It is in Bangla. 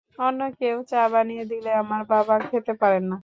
অন্য কেউ চা বানিয়ে দিলে আমার বাবা খেতে পারেন না।